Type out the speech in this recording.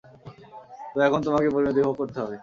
তো এখন তোমাকে পরিণতি ভোগ করতে হবে।